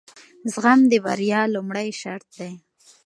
زغم د بریا لومړی شرط دی.